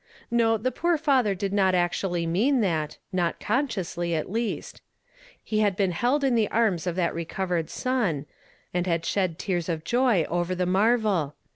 No, the poor father did not actually mean that, not consciously at least. He had been held in the arms of that recovered son, and had slied tears of joy over the marvel.